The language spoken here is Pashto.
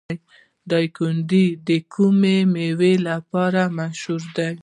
دایکنډي د کومې میوې لپاره مشهور دی؟